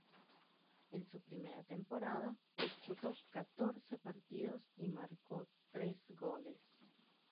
En su primera temporada disputó catorce partidos y marcó tres goles.